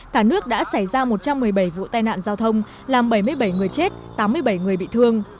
cả nước đã xảy ra một trăm một mươi bảy vụ tai nạn giao thông làm bảy mươi bảy người chết tám mươi bảy người bị thương